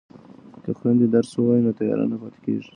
که خویندې درس ووایي نو تیاره نه پاتې کیږي.